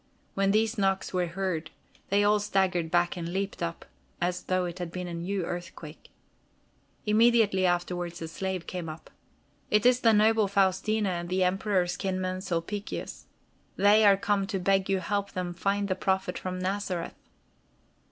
When these knocks were heard, they all staggered back and leaped up, as though it had been a new earthquake. Immediately afterwards a slave came up. "It is the noble Faustina and the Emperor's kinsman Sulpicius. They are come to beg you help them find the Prophet from Nazareth."